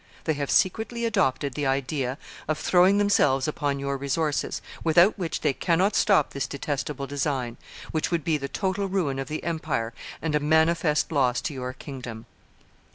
They have secretly adopted the idea of throwing themselves upon your resources, without which they cannot stop this detestable design, which would be the total ruin of the empire and a manifest loss to your kingdom.